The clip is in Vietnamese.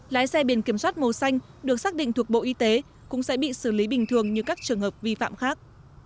lái xe biển kiểm soát màu xanh được xác định thuộc bộ y tế cũng sẽ bị xử lý bình thường như các trường hợp vi phạm khác